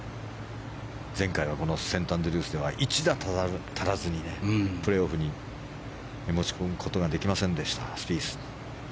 前回はこのセントアンドリュースでは１打足らずにプレーオフに持ち込むことができませんでしたスピース。